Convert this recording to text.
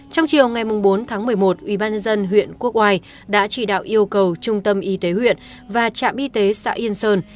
trong chiều ngày bốn tháng một mươi một ubnd huyện quốc oai đã chỉ đạo yêu cầu trung tâm y tế huyện và trạm y tế xã yên sơn